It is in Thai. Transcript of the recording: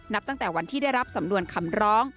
ตั้งแต่วันที่ได้รับสำนวนคำร้อง